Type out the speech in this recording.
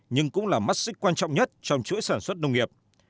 nhưng cũng là mắt xích quan trọng nhất trong chuỗi sản xuất nông nghiệp